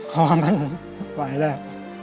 เพราะว่ามันไหวแล้ว